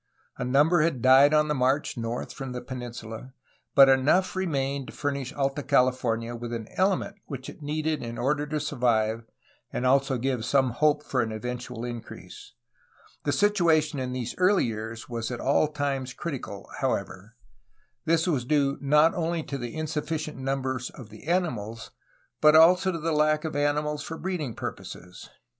A number had died on the march north from the peninsula, but enough remained to furnish Alta California with an element which it needed in order to survive and also to give some hope for an eventual increase. The situation in these early years was I PRECARIOUS FOOTING OF THE EARLY SETTLEMENTS 249 at all times critical, however. This was due not only to the insufficient numbers of the animals, but also to the lack of animals for breeding purposes.